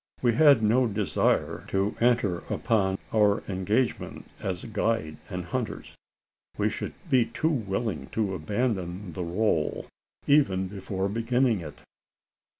We had no desire to enter upon our engagement as guide and hunters. We should be too willing to abandon the role, even before beginning it.